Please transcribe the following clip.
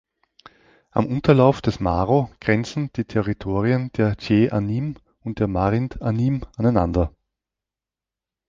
Am Unterlauf des Maro grenzen die Territorien der Jee-anim und der Marind-anim aneinander.